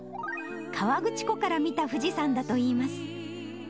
河口湖から見た富士山だといいます。